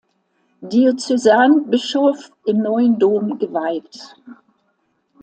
Diözesanbischof im Neuen Dom geweiht.